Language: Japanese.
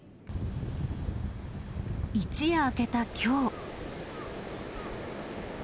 一夜明けたきょう。